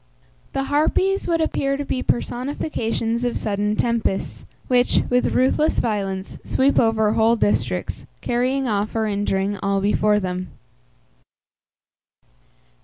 The Harpies would appear to be personifications of sudden tempests, which, with ruthless violence, sweep over whole districts, carrying off or injuring all before them.